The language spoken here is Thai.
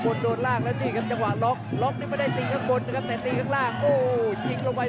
กอกไนยังไม่ได้ครับยังนี้